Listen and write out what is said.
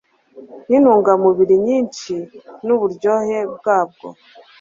n’intungamubiri nyinshi, n’uburyohe bwabwo. …